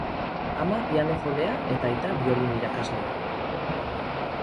Ama piano-jolea eta aita biolin irakaslea.